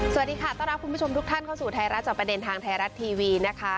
สวัสดีค่ะต้อนรับคุณผู้ชมทุกท่านเข้าสู่ไทยรัฐจอบประเด็นทางไทยรัฐทีวีนะคะ